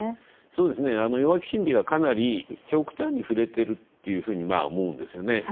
そうですね、弱気心理がかなり極端にふれているっていうふうに思うんですよね。